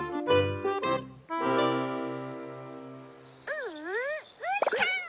ううーたん！